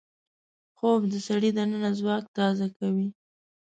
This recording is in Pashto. خوب د سړي دننه ځواک تازه کوي